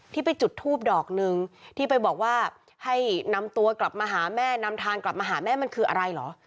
ที่ไปจุดทูบดอกหนึ่งที่ไปบอกว่าให้นำตัวกลับมาหาแม่นำทางกลับมาหาแม่มันคืออะไรเหรอ